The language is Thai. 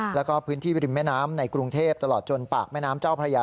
แล้วก็พื้นที่ริมแม่น้ำในกรุงเทพตลอดจนปากแม่น้ำเจ้าพระยา